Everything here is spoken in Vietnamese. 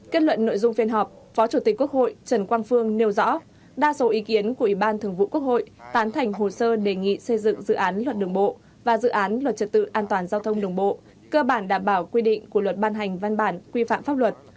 kết luận nội dung phiên họp phó chủ tịch quốc hội trần quang phương nêu rõ đa số ý kiến của ủy ban thường vụ quốc hội tán thành hồ sơ đề nghị xây dựng dự án luật đường bộ và dự án luật trật tự an toàn giao thông đường bộ cơ bản đảm bảo quy định của luật ban hành văn bản quy phạm pháp luật